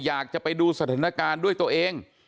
อยากจะไปดูสถานการณ์ด้วยตัวเอง